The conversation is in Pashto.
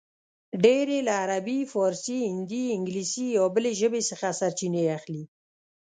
ډېر یې له عربي، فارسي، هندي، انګلیسي یا بلې ژبې څخه سرچینې اخلي